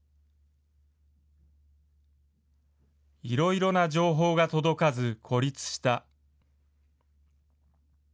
いろいろな情報が届かず孤立した。